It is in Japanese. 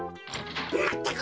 まったく！